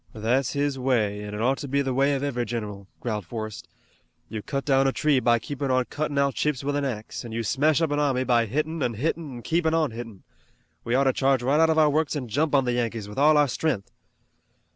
"That's his way, an' it ought to be the way of every general," growled Forrest. "You cut down a tree by keepin' on cuttin' out chips with an axe, an' you smash up an army by hittin' an' hittin' an' keepin' on hittin'. We ought to charge right out of our works an' jump on the Yankees with all our stren'th."